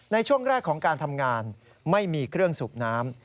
ในช่วงแรกของการทำงานไม่มีเครื่องสูบน้ำ